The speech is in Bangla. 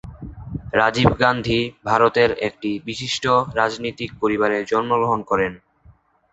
রাজীব গান্ধী ভারতের একটি বিশিষ্ট রাজনীতিক পরিবারে জন্মগ্রহণ করেন।